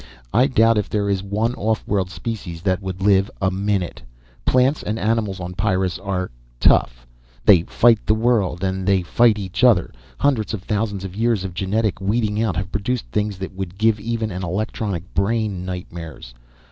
I doubt if there is one off world species that would live a minute. Plants and animals on Pyrrus are tough. They fight the world and they fight each other. Hundreds of thousands of years of genetic weeding out have produced things that would give even an electronic brain nightmares.